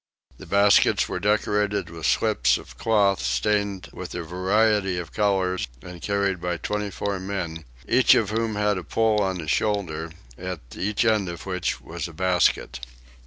The baskets were decorated with slips of cloth, stained with variety of colours and carried by 24 men, each of whom had a pole on his shoulder, at each end of which was a basket.